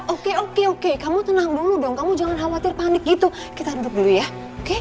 oke oke oke kamu tenang dulu dong kamu jangan khawatir panik gitu kita duduk dulu ya oke